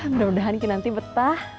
mudah mudahan nanti betah